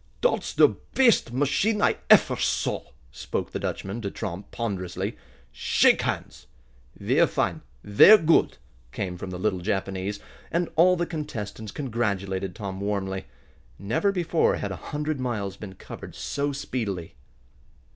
"Dot's der best machine I effer saw," spoke the Dutchman, De Tromp, ponderously. "Shake hands!" "Ver' fine, ver' good!" came from the little Japanese, and all the contestants congratulated Tom warmly. Never before had a hundred miles been covered so speedily.